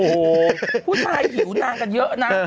โอ้โหผู้ชายหิวนางกันเยอะนะ